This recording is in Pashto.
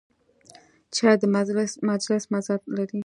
چای د مجلس مزه لري.